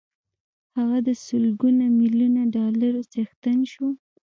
هغه د سلګونه ميليونه ډالرو څښتن شو.